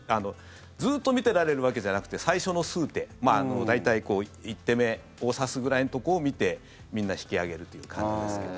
ずっと見てられるわけじゃなくて最初の数手大体、１手目を指すぐらいのところを見てみんな、引き揚げるという感じですけど。